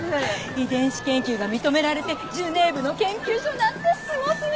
遺伝子研究が認められてジュネーブの研究所なんてすごすぎ！